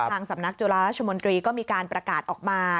ทางสำนักจุฬาราชมนตรีก็มีการประกาศออกมา